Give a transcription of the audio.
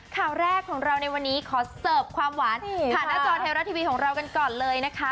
ข่าวแรกของเราในวันนี้ขอเสิร์ฟความหวานผ่านหน้าจอไทยรัฐทีวีของเรากันก่อนเลยนะคะ